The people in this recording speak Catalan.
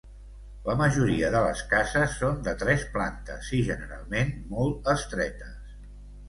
La majoria de les cases són de tres plantes i generalment molt estretes.